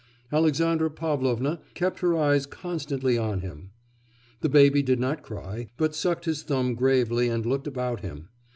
Alexandra Pavlovna kept her eyes constantly on him. The baby did not cry, but sucked his thumb gravely and looked about him.